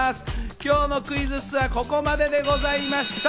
今日のクイズッスはここまででございました。